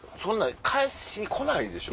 返しに来ないでしょ？